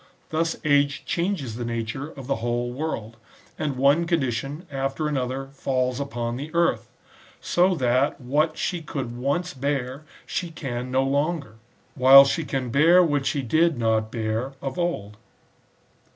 ^ Thus age changes the nature of the whole world, and one condition after another falls upon the earth ; so that what she could once bear she can bear no longer ; while she can bear what she did not bear of old.